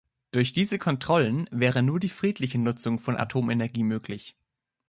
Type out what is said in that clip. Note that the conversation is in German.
Durch diese Kontrollen wäre nur die friedliche Nutzung von Atomenergie möglich.